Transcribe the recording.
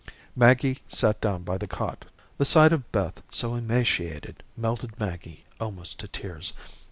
Maggie sat down by the cot. The sight of Beth so emaciated melted Maggie almost to tears.